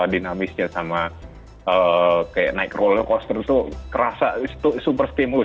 dinamisnya sama kayak naik roller coaster itu kerasa itu super stimulus